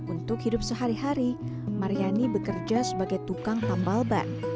untuk hidup sehari hari maryani bekerja sebagai tukang tambal ban